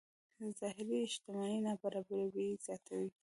ظاهري شتمنۍ نابرابرۍ زیاتوي.